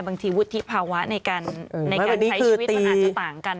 บางทีวุฒิภาวะในการใช้ชีวิตมันอาจจะต่างกัน